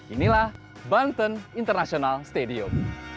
inilah banten international stadium